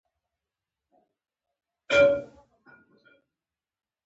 اکبرجان ورته وویل نو داسې یې څوک وهي.